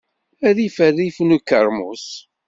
Rrif rrif n ukeṛmus.